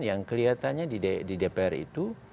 yang kelihatannya di dpr itu